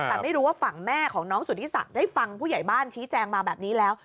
แต่ไม่รู้ว่าฝั่งแม่ของน้องสุธิศักดิ์ได้ฟังผู้ใหญ่บ้านชี้แจงมาแบบนี้แล้ว